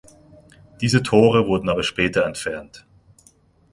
Diese Tore wurden aber später entfernt.